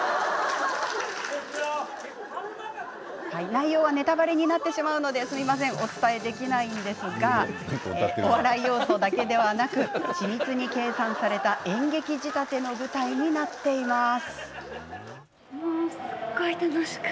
内容はネタばれになってしまうのでお伝えできませんがお笑い要素だけでなく緻密に計算された演劇仕立ての舞台になっています。